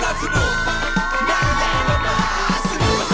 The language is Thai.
มันรถมหาสนุก